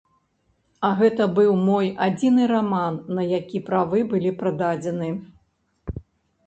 А гэта быў мой адзіны раман, на які правы былі прададзены.